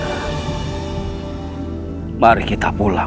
hai mari kita pulang